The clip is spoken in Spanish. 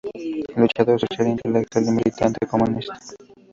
Luchador social, intelectual y militante comunista.